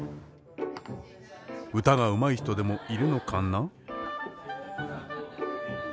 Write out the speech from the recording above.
歌がうまい人でもいるのかな？